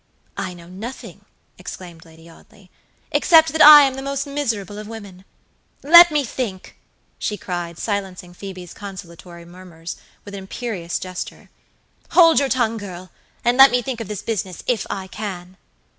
"I know nothing," exclaimed Lady Audley, "except that I am the most miserable of women. Let me think," she cried, silencing Phoebe's consolatory murmurs with an imperious gesture. "Hold your tongue, girl, and let me think of this business, if I can."